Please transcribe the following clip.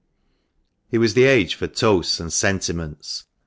It was the age for toasts and sentiments.